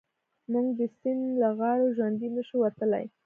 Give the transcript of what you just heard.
موږ د سيند له غاړو ژوندي نه شو وتلای.